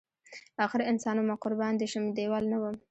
اخر انسان ومه قربان دی شم دیوال نه وم